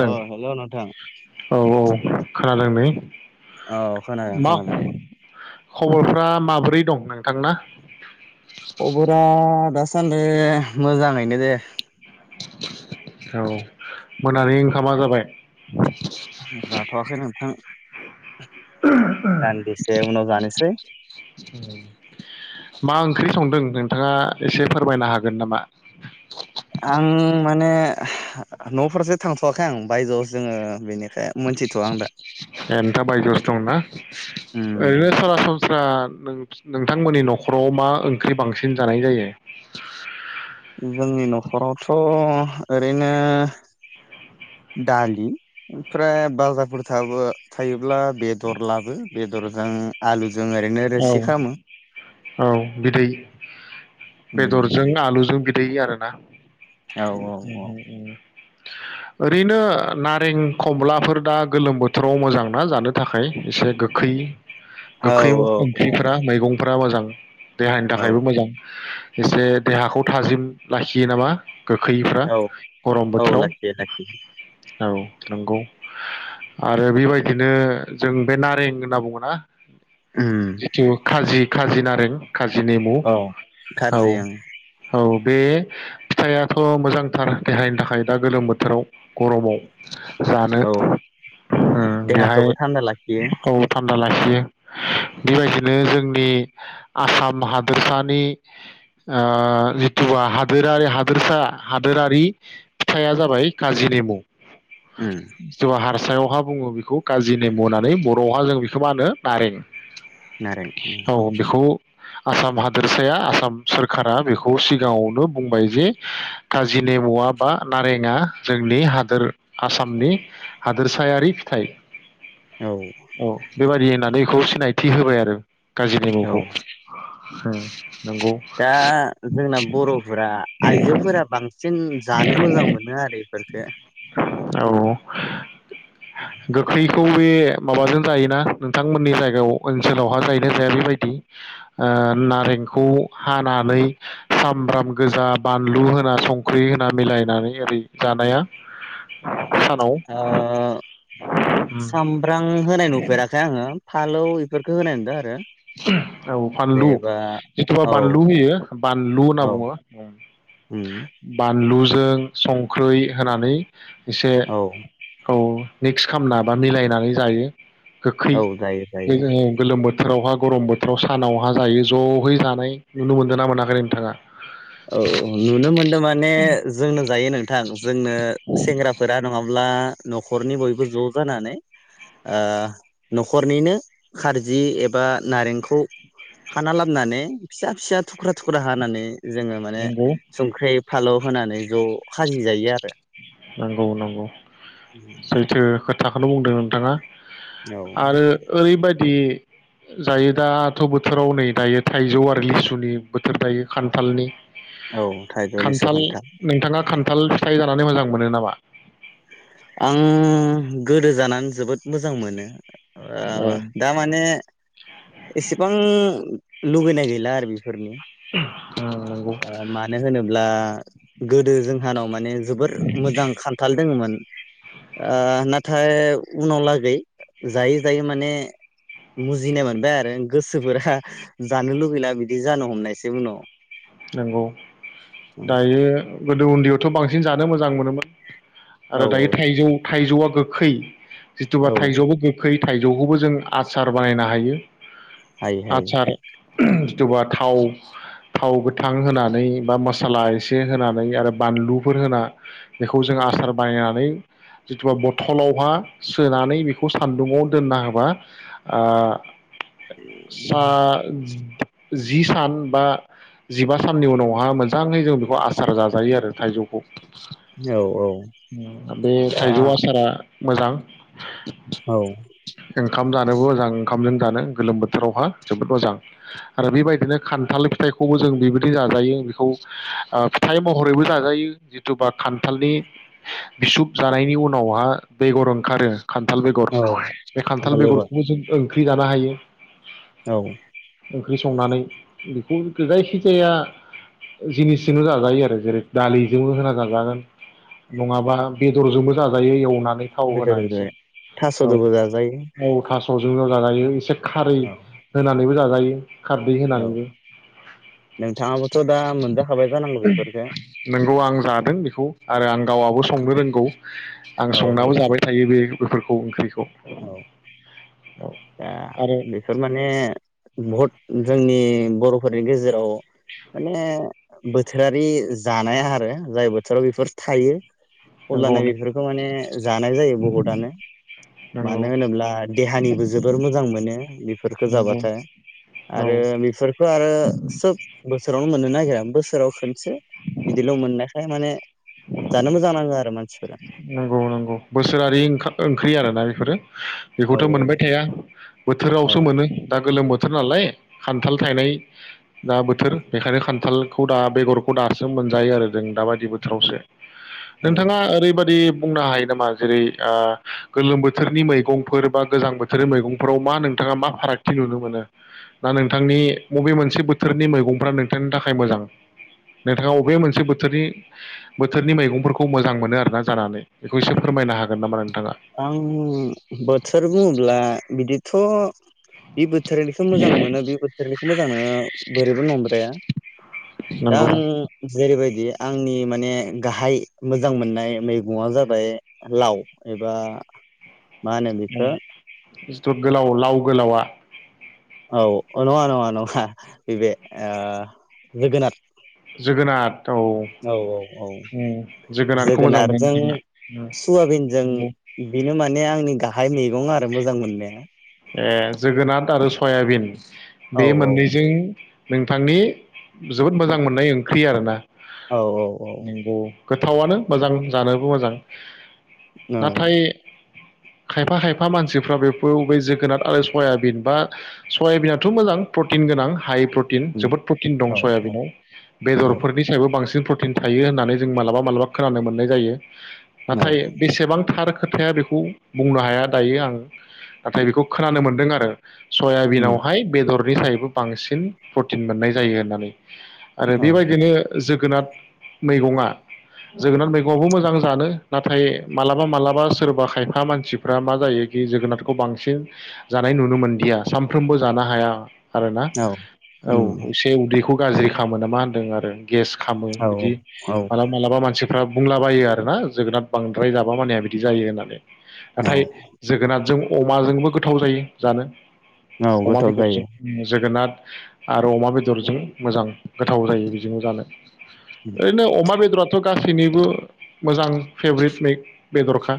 अ हेल' नोंथां औ औ [unintelligible] औ खोनादों मा खोनादों। खबरफ्रा माबोरै दं नोंथांना? खबरा दासान्दि मोजाङैनो दे। औ मोनानि ओंखामा जाबाय। जाथ'आाखै नोंथां दानदिसे उनाव जानोसै। मा ओंख्रि संदों नोंथाङा एसे फोरमायनो हागोन नामा? आं माने न'फोरसे थांथ'वाखै आं बायजोआवसो जोङो बेनि ए नोंथाङा बायजोआवसो दंना उम ओरैनो सरासनस्रा नों-नोंथांमोननि न'खराव मा ओंख्रि बांसिन जानाय जायो? जोंनि नखरावथ' ओरैनो दालि ओमफ्राय बाजारफोर थाबो थायोब्ला बेदर लाबो बेदरजों आलु। औ औ बिदै बेदरजों उम आलुजों बिद [unintelligible] आरोना औ औ [inaudible] ओरैनो नारें खमलाफोर दा गोलोम बोथोराव मोजांना जानो थाखाय एसे गोखै। औ औ ओंख्रिफोरा मैगंफोर ब्रा मोजां देहानि औ थाखायबो मोजां। एसे देहाखौ थाजिम लाखियो नामा? गोखैयैफ्रा औ गरम औ बोथोराव लाखियो लाखियो औ नंगौ आरो बेबायदिनो जों बे नारें होनना बुङोना? उम जिथु खारजि खारजि नारें काजि नेमु औ औ खारजि ओं औ बे फिथाइयाथ' मोजांथार देहानि थाखाय दा गोलोम बोथोराव गरमाव। जानो औ बेहाय देहाखौबो थान्दा लाखियो औ थाम बा लाखियो। बेबायदिनो जोंनि आसाम हादोरसानि ओ जिथु हादोरारि हादोरसा हादोरारि फिथाइया जाबाय काजि नेमु। उम जहार सायावहा बुङो बेखौ काजि नेमु होननानै बर'आवहा जों बेखौ मा होनो नारें। नारें औ बेखौ आसाम हादोरसाया आसाम सोरखारा बेखौ सिगाङावनो बुंबाय जे काजिनेमुआ बा नारेंआ जोंनि हादोर आसामनि हादोरसायारि फिथाइ। औ औ बेबायादि होननानै [unintelligible] नायथि होबाय आरो। काजि औ नेमुखौ। ए [unintelligible] दा जोंना बरफोरा आइजोफोरा बांसिन जानो मोजां मोनो आरो इफोरफोरखो। औ गोखै खौ बे माबाजों जायोना नोंथांमोननि जायगायाव ओनसोलावहा जाहैनाय जाया बेबायदि। नारेंखौ हानानै सामब्राम गोजा बानलु होना सं ख्रि होना मिलायनानै ओरै जानाया सानाव आं उम सामब्राम होनाय नुफेराखै आङो। फालौ इफोरखौ होनाय नुनदो आरो। औ फानलु जेनेबा जिथबा औ बानलु होयो बानलु होनना औ बुङो। उम लुजों संख्रै होनानै एसे औ औ मिक्स खालामना बा मिलायनानै जायो। गोखै औ जायो बै जायो जोङो गोलोम बो फोरावहा गरम बोथोराव सानावहा जायो जहैनानै नुनो मोनदों ना मोनाखै नोंथाङा? औ नुनो मोनदों माने जोंनो जायो नो थां जोंनो सेंग्राफोरा नङा अब्ला नखरनि बयबो ज जानानै नखरनिनो खारजि एबा नारेंखौ खाना लाबनाने फिसा फिसा थुख्रा थुख्रा हानानै जोङो माने नंगौ संख्रि फालौ होनानै ज खाजि जायो आरो। नागौ नागौ सैथो खो थाखौनो बुंदों नोंथाङा। औ आरो ओरैबाय दि जायो दाथ बोथोराव नै दायो थाइजौ आरो लिसुनि बोथोर दायो खान्थालनि। औ थाइजौ लिसु खान्थाल नोंथाङा खान्थाल थाइ जानानै मोजां मोन मोनो नामा आं गोदो जानानै जोबोद मोजां मोनो ओ ब औ दा माने एसेबां लुगैनाय गैला आरो बेफोरनि नंगौ ओ मानो होनोब्ला गोदो जोंहानाव माने जोबोर मोजां खान्थाल दङमोन आ नाथ हाय उनाव लागै जायै जायै माने मुजिनाय मोनबाय आरो गोसोफोरा जानो लुगैला बिदि जानो हमनायसै उनाव नंगौ दायो गोदो उन्दैयावथ' बांसिन जानो मोजां मोनोमोन औ आरो दायो थाइजौ थाइजौआ गोखै औ जिथुुबा थाइजौआबो गोखै थाइजौखौबो जों आसार बानायनो हायो हाय हाय आसार [unintelligible] जिथुबा थाव थाव गोथ थां होनानै बा मसाला एसे होनानै आरो बानलुफोर होना बेखौ जों आसार बानायनानै जिथुुबा बथलावहा सोनानै बेखौ सान्दुंङाव दोनना होबा ओ सा जि सान बा जिबा साननि उनावहा मोजाङै जों बेखौ आसार जाजायो आरो थाइजौखौ औ औ बे दा थाइजौ आसारा मोजां औ ओंखाम जानोबो मोजां ओंखामजों जानो गोलोम बोथोरावहा जोबोद मोजां आरो बेबायदिनो खान्थाल फिथाइखौबो जों बेबायदि जाजायो बेखौ ओ फिथाइ महरैबो जाजायो जिथुबा खान्थालनि बिसुब जानायनि उनावहा बेगर ओंखारो खान्थाल बेगर औ बे खान्थाल बेगरखौबो जों ओ ख्रि जानो हायो। औ [unintelligible] ओंख्रि संनानै बेखौ जायखिजाया जिनिसजोंनो जाजायो आरो जेरै दालिजोंबो होना जाजागोन नङाबा बेदरजोंबो जाजायो एवना [unintelligible] थास'दोबो जाजायो औ [unintelligible] जाजायो एसे खारै औ होनानैबो जाजायो जायो खारदै औ होनानैबो नोंथाङाबोथ' दा मोनजाखाबाय जानांगौ बेफोरखो [unintelligible] नोंगौ आं जादों बेखौ आरो आं आं गावआबो संनो रोंगौ आं औ संनाबो जाबाय थायो बे बेफोरखौ ओंख्रि दा आरो बेफोर माने बहुद जोंनि बरफोरनि गेजेराव माने बोथोरारि जानाय आरो जाय बोथोराव बेफोर थायो। नंगौ अब्लाना बेफोरखौ माने जानाय जायो बहुतआनो। नंगौ मानो होनोब्ला देहानिबो जोबोर मोजां मोनो बेफोरखौ नंगौ जाबाथाय औ आरो बेफोरखो आरो सोब बोसोरावनो मोननो नागिरा बोसोराव खनसे बिदिल मोननायखाय माने जानो मोजां नाङो आरो मानसिफोरा। नंगौ नंगौ बोसोरारि ओंखा ओंख्रि आरोना बेफोरो। [unintelligible] औ बेखौथ मोनबाय थाया औ बोथोरावसो मोनो दा गोलोम बो थोर नालाय खान्थाल थायनाय दा बोथोर बेखायनो खान्थालखौ दा बेगरखौ दासो मोनजायो आरो जों दाबादि बोथोरावसो। [unintelligible] औ नोंथाङा ओरैबाद इ बुंनो हायो नामा जेरै आ गोलोम बोथोरनि मैगंफोर बा गोजां बोथोरनि मैगंफोराव मा नोंथाङा मा फारागथि नुनो मोनो ना नोंथांनि बबे मोनसे बोथोरनि मैगंफ्रा नोंथांनि थाखाय मोजां नोंथाङा अबे मोनसे बोथोरनि बोथोरनि मैगंफोरखौ मोजां मोनो आरोना? जानानै बेखौ एसे फोरमायनो हागोन नामा? नोंथाङा आं बोथोर बुङोब्ला बिदि थ बे बोथोरनिखो मोजां मोनो बे बोथोरनिखो मोजां मोनो बोरैबो नंद्राया दा नंगौ आं जेरैबायदि आंनि माने गाहाय मोजां मोननाय मैगङा जाबाय लाव। एबा माहोनो बेखो जिथु गोलाव लाव गोलावा औ अ नङा नङा नङा [unintelligible] नैबे ओ जोगोनाद। जोगोनार औ जोगोनारखौ मोजां मोनो जोगोनारजों नोंथाङा सुवाबिनजों बेनो माने आंनि गा हाय मेगं आरो मोजां मोननाया। ए जोगोनाथ आरो सयाबिन। औ बे औ मोननैजों नोंथांनि जोबोद मोजां मोननाय ओंख्रि आरोना। औ औ औ गोथावनो मोजां जानोबो मोजां। औ नाथाय खायफा खायफा मानसिफ्रा बेखौ बै जों नाथ आरो सयाबिन बा सयाबिनाथ मोजां प्रटिन गोनां हाइ प्रट थिन उम जोबोद प्रटिन दं औ औ सयाबिनाव औ बेदरफोरनि सायाबो बांसिन प्रटिन थायो होननानै जों मालाबा मालाबा खोनानो मोननाय जायो। [unintelligible] नाथाय बेसेबांथार खोथाया बेखौ बुंनो हाया दायो आं नाथाय बेखौ खोनानो मोनदों आरो उम सयाबिनावहाय बेदर [unintelligible] फ्रायबो बांसिन प्रटिन मोननाय जायो होननानै आरो औ बेबायदिनो जों जोगोनाद मैगङा जोगोनार मैगङावबो मोजां जानो नाथाय मालाबा मालाबा सोरबा खायफा मानसिफ्रा मा जायोखि जोगोनारखौ बांसिन जानाय नुनो मोनदिया सानफ्रोमबो जानो हाया आरोना औ उम एसे उदैखौ गाज्रि खामो नामा होन्दों आरो। गेस खामो औ बिदि औ मालाबा मालाबा मानसिफ्रा बुंलाबायो आरोना जोगोनार बांद्राय जाबा माने‌ बिदि जायो होननानै। नाथाय जोगोनारजों अमाजोंबो गो गोथाव जायो जानो। अमा गोथाव बेदरजों जायो जोगोनाथ आरो अमा बेदरजों मोजां गोथाव जायो बेजोंनो जानो। ओरैनो अमा बेदरा थ गासैनिबो मोजां फेभरिट मै बेदरखा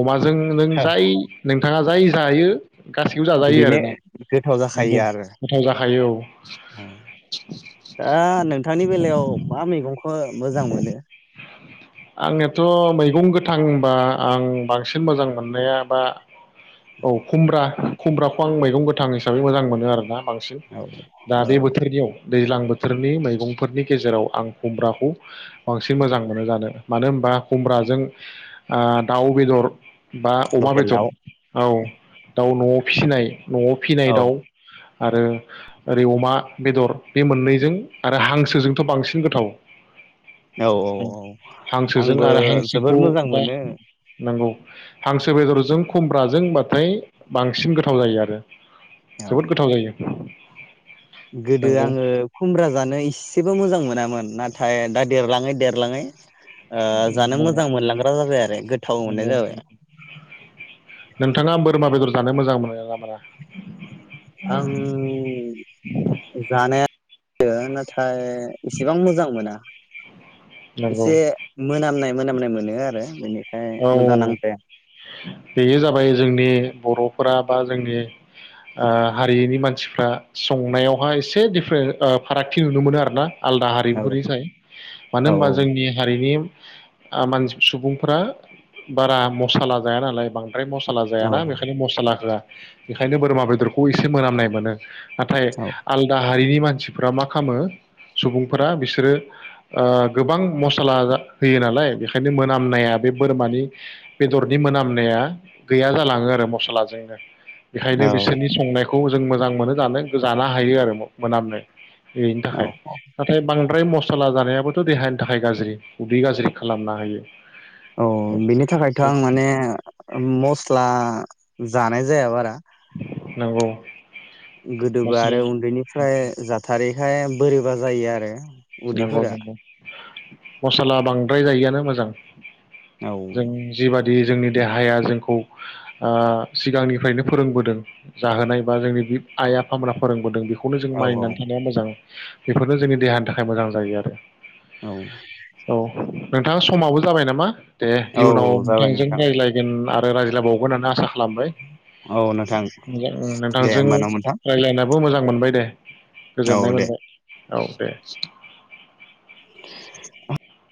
अमा जों नों जाय नों बिथाङा जाय जायो गासैखौबो जाजायो बेनो आरोना गोथाव जाखायो नंगौ आरो गोथाव जाखायो औ दा नोंथांनि बेलायाव मा मैगं [unintelligible] मोजां मोनो। आंनियाथ मैगं गोथांबा आं बांसिन मोजां मोननाया बा औ खुमब्रा खुमब्राखौ आं मैगं गोथां हिसाबै मोजां मोनो आरोना। बांसिन औ दा औ बे बोथोरनियाव दैज्लां बोथोरनि मैगंफोरनि गेजेराव आं खुमब्राखौ बांसिन मोजां मोनो जानो। मानो होनबा खुमब्राजों आ दाउ बेदर बा अमा लकेल बेदर दाउ दाउ नआव फिसिनाय नआव फिनाय औ दाउ आरो ओरै अमा बेदर बे मोननैजों आरो हांसोजोंथ बांसिन गोथाव। औ औ औ हांसोजों आंबो आरो जोबोर हांसोखौ मोजां दा मोनो हांसो बेदरजों खुमब्राजोंबाथाय बांसिन गोथाव जायो आरो। औ जोबोद गोथाव जायो। गोदो नंगौ आङो खुमब्रा जानो इसेबो मोजां मोन मोनामोन नाथाय दा देरलाङै देरलाङै ओ जानो नंगौ मोजां मोनलांग्रा जाबाय आरो गोथाव मोननाय नंगौ जाबाय। नोंथाङा बोरमा बेदर जानो मोजां मोनो ना मोना आं जानाया [unintelligible] नाथाय इसेबां मोजां मोना नंगौ एसे मोनामनाय मोनामनाय मोनो आरो बेनो औ बेयो जाबाय जोंनि बर' फोरा बा जोंनि ओ हारिनि मानसि फ्रा संनायावहाय एसे दिफरे ओ एसे फारागथि नुनो मोनो आरोना आलदा औ हारिफोरनिसाय मानो औ होनबा जोंनि हारिनि आं मानसि सुबुंफोरा बारा मसाला जाया नालाय बां द्राय मसाला औ जायाना बेखायनो मसाला होआ बेखायनो बोरमा बेदरखौ एसे मोनामनाय मोनो नाथाय आलदा हारिनि मानसि फोराव मा खालामो सुबुंफोरा बिसोरो ओ गोबां मसला होयो नालाय बेखायनो मोनामनाया बे बोरमानि बेदरनि मोनामनाया गैया जालाङो आरो मस्लाजोंनो बेखायनो औ बिसोरनि संनायख खौ जों मोजां मोनो जानो जानो हायो आरो मोनामनो बेनि औ थाखाय औ नाथाय बां फ्राय मसाला जानायाबोथ' देहानि थाखाय गाज्रि उदै गाज्रि खालामना होयो औ बिनि थाखायथ' आं माने मस्ला जानाय जाया बारा नंगौ गोदोबो मस्ला आरो उन्दैनिफ्राय जाथारै खाय बोरैबा जायो आरो नंगौ उदैफोरा नंगौ मसाला बांद्राय जायैआनो मोजां औ जों जिबाद दि जोंनि देहाया जोंखौ ओ सिगांनिफ्रायनो फोरोंबोदों जाहोनाय बा जोंनि बि आइ आफामोना फोरोंबोदों बेखौ खौनो जों औ मानिनानै थानाया मोजां बेफोरनो जोंनि देहानि थाखाय मोजां जायो आरो औ औ नोंथां समाबो जाबाय नामा दे इयुनाव औ जाबाय नोंथांजों नोंथां रायज्लायगोन आर रायज्लायबावगोन होननानै आसा खालामबाय औ नोंथां [unintelligible] मोजां दे नोंथांजों होमबा न' नोंथां रायलायना बो मोजां मोनबाय दे औ गोजोननाय दे मोनबाय औ दे [unintelligible] [unintelligible]